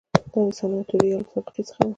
دا د سناتوریال طبقې څخه و